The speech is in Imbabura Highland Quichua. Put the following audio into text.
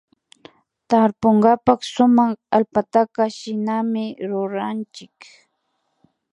Tarpunkapak sumak allpataka shinami ruranchik